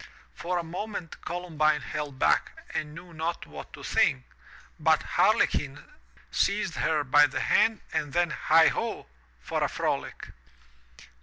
For a moment Colum bine held back and knew not what to think, but Harlequin seized her by the hand and then Heigho! for a frolic!